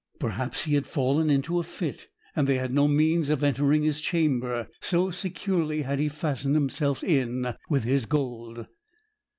Perhaps he had fallen into a fit; and they had no means of entering his chamber, so securely had he fastened himself in with his gold.